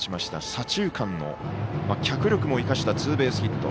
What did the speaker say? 左中間の脚力も生かしたツーベースヒット。